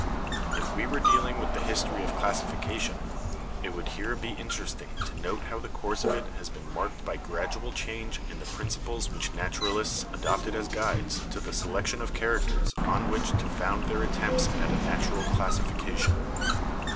"If we were dealing with the history of classification, it would here be interesting to note how the course of it has been marked by gradual change in the principles which naturalists adopted as guides to the selection of characters on which to found their attempts at a natural classification.